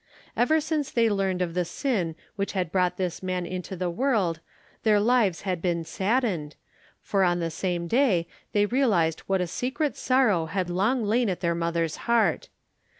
Ever since they learned of the sin which had brought this man into the world their lives had been saddened, for on the same day they realized what a secret sorrow had long lain at their mother's heart.